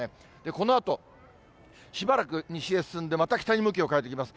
このあと、しばらく西へ進んで、また北に向きを変えてきます。